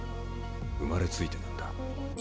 生まれついてなんだ。